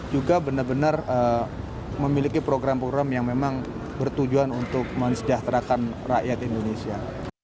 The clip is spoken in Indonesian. juga benar benar memiliki program program yang memang bertujuan untuk mensejahterakan rakyat indonesia